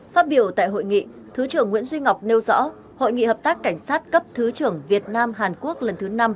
phát biểu tại hội nghị thứ trưởng nguyễn duy ngọc nêu rõ hội nghị hợp tác cảnh sát cấp thứ trưởng việt nam hàn quốc lần thứ năm